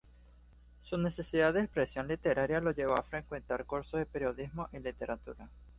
Su necesidad de expresión literaria lo llevó a frecuentar cursos de periodismo y literatura.